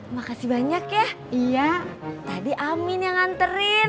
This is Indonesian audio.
makasih banyak ya iya tadi amin yang nganterin